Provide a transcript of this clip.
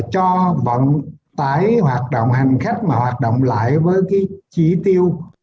cho vận tải hoạt động hành khách mà hoạt động lại với cái chỉ tiêu